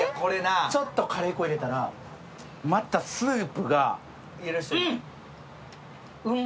ちょっとカレー粉入れたら、またスープがうん！